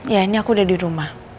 ya ini aku udah di rumah